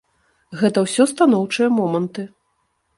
Гэта ўсё станоўчыя моманты.